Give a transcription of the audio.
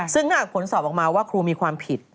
ซึ่งถ้าหากผลสอบออกมาว่าครูมีความผิด